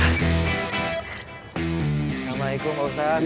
assalamualaikum pak ustadz